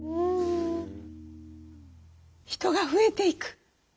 人が増えていく。